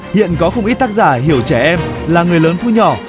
hiện có không ít tác giả hiểu trẻ em là người lớn thu nhỏ